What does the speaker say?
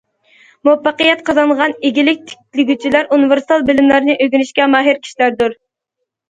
مۇۋەپپەقىيەت قازانغان ئىگىلىك تىكلىگۈچىلەر ئۇنىۋېرسال بىلىملەرنى ئۆگىنىشكە ماھىر كىشىلەردۇر.